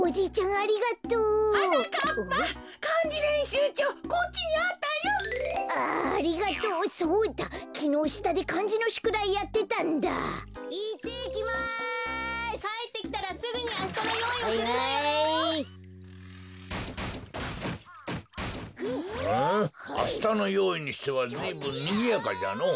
あしたのよういにしてはずいぶんにぎやかじゃのぉ。